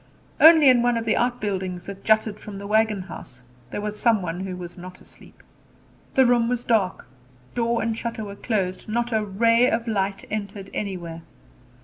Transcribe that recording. Only in one of the outbuildings that jutted from the wagon house there was some one who was not asleep. The room was dark; door and shutter were closed; not a ray of light entered anywhere.